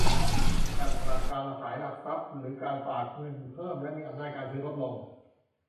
จากการขายหลักทรัพย์ หรือการฝากเงินเพิ่ม และมีอำนาจการซื้อลดลง